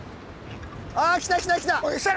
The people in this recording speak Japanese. あ来た来た来た！